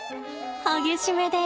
激しめで。